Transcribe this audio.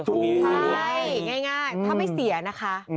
ใช่ง่ายถ้าไม่เสียนะคะ